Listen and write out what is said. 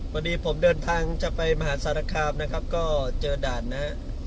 วันนี้ผมเดินทางจะไปมหาศาลักราภรรณ์นะครับก็เจอด่านนะฮะ